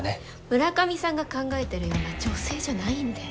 村上さんが考えてるような女性じゃないんで。